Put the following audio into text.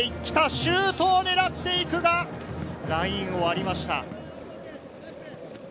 シュートを狙っていくが、ラインを割りました。